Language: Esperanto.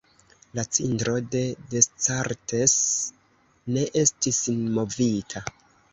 La cindro de Descartes ne estis movita.